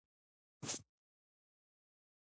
چرۍ او د اوبو طبيعي لاري بايد بشپړي